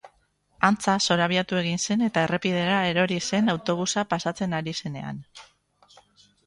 Antza, zorabiatu egin zen eta errepidera erori zen autobusa pasatzen ari zenean.